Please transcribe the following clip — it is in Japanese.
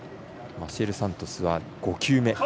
マシエル・サントスは５球目。